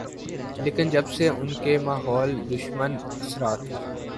لیکن جب سے ان کے ماحول دشمن اثرات